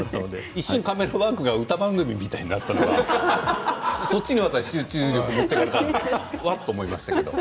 一瞬カメラワークが歌番組みたいになってそっちに集中力を持っていかれてしまいました。